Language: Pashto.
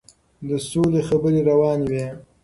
د سولې خبرې روانې وې.